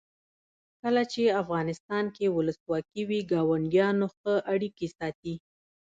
کله چې افغانستان کې ولسواکي وي ګاونډیان ښه اړیکې ساتي.